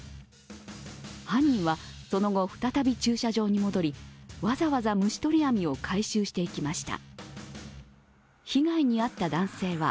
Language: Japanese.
犯人は、その後再び駐車場に戻りわざわざ虫捕り網を回収していきました。